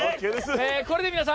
これで皆さん